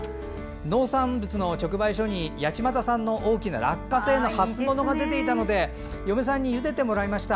農産物の直売所に八街産の大きな落花生の初物が出ていたので嫁さんにゆでてもらいました。